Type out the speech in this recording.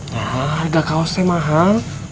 nah harga kaos teh mahal